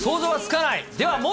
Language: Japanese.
想像がつかない？